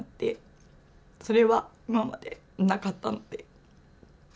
それは今までなかったので。